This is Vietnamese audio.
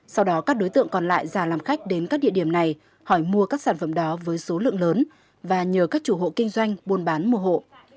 sau đó các đối tượng còn lại ra làm khách đến các địa điểm này hỏi mua các sản phẩm đó với số lượng lớn và nhờ các chủ hộ kinh doanh buôn bán mùa hộ